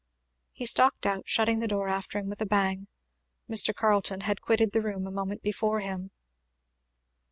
He stalked out, shutting the door after him with a bang. Mr. Carleton had quitted the room a moment before him.